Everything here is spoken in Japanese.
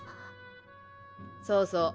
そうそう。